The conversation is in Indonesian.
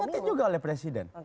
kan diingetin juga oleh presiden